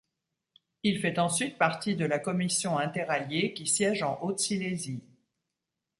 Il fait ensuite partie de la Commission interalliée qui siège en Haute Silésie.